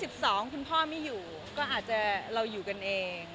คุณพ่อไม่อยู่ก็อาจจะเราอยู่กันเอง